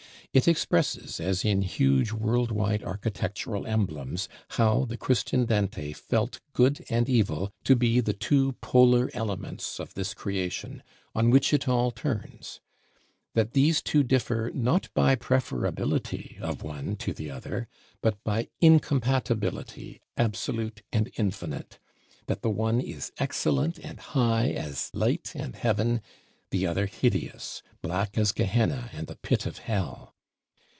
It expresses, as in huge world wide architectural emblems, how the Christian Dante felt Good and Evil to be the two polar elements of this Creation, on which it all turns; that these two differ not by preferability of one to the other, but by incompatibility, absolute and infinite; that the one is excellent and high as light and Heaven, the other hideous, black as Gehenna and the Pit of Hell!